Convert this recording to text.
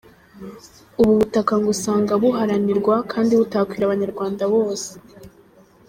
Ubu butaka ngo usanga buharanirwa kandi butakwira Abanyarwanda bose.